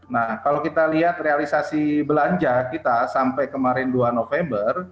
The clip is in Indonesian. nah kalau kita lihat realisasi belanja kita sampai kemarin dua november